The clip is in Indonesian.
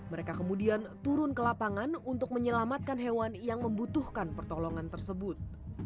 mereka kemudian turun ke lapangan untuk menyelamatkan hewan yang membutuhkan pertolongan tersebut